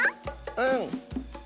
うん！